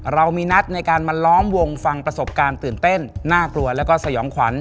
เรามีนัดในการมาล้อมวงฟังประสบการณ์ตื่นเต้นน่ากลัวแล้วก็สยองขวัญ